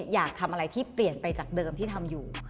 อยากทำอะไรที่เปลี่ยนไปจากเดิมที่ทำอยู่